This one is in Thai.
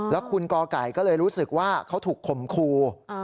แล้วคุณกไก่ก็เลยรู้สึกว่าเขาถูกข่มครู